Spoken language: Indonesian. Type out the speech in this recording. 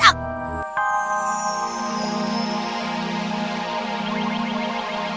aku akan membawa kamu kembali ke tempatmu